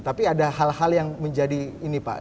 tapi ada hal hal yang menjadi ini pak